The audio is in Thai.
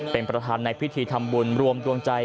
เป็นประธานในพิธีทำบุญรวมดวงใจ